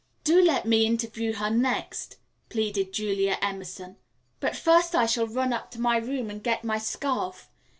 "Do let me interview her next," pleaded Julia Emerson. "But first I shall run up to my room and get my scarf.